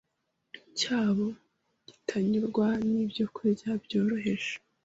cyabo kitanyurwa n’ibyokurya byoroheje